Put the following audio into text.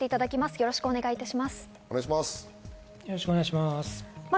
よろしくお願いします。